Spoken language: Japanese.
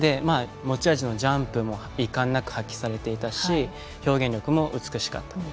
持ち味のジャンプもいかんなく発揮されていたし表現力も美しかった。